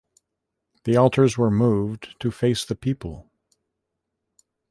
The altars were moved to face the people.